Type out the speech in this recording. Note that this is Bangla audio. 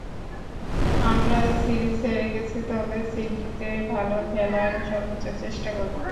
আমরা সিরিজ হেরে গেছি, তবে সিডনিতে ভালো খেলার সর্বোচ্চ চেষ্টা করব।